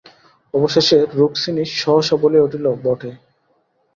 অবশেষে রুক্মিণী সহসা বলিয়া উঠিল, বটে।